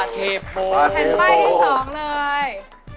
แผ่นป้ายที่๒เลย